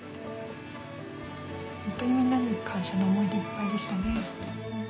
本当にみんなに感謝の思いでいっぱいでしたね。